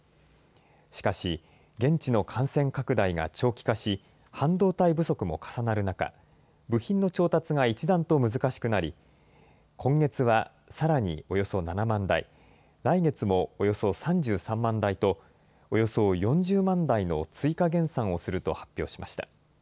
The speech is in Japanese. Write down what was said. しかし、現地の感染拡大が長期化し、半導体不足も重なる中、部品の調達が一段と難しくなり、今月はさらにおよそ７万台、来月もおよそ３３万台と、およそ４０万台の追加減産をすると発表しました。